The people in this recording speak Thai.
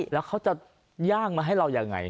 แล้วเขาจะย่างมาให้เรายังไง